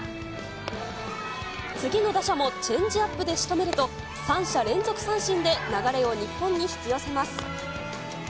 次の打者もチェンジアップで仕留めると、３者連続三振で流れを日本に引き寄せます。